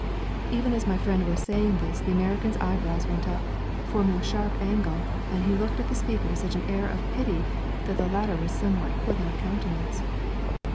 Even as my friend was saying this the American's eyebrows went up, forming a sharp angle, and he looked at the speaker with such an air of pity that the latter was somewhat put out of countenance.